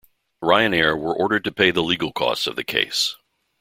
Ryanair were ordered to pay the legal costs of the case.